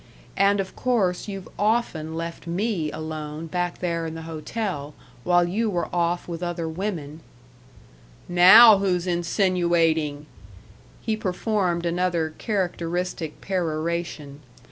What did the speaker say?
And of course you've often left me alone back there in the hotel while you were off with other women " "Now who's insinuating?" He performed another characteristic peroration.